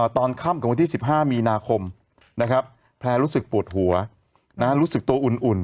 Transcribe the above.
ตอนค่ำของวันที่๑๕มีนาคมแพลรู้สึกปวดหัวรู้สึกตัวอุ่น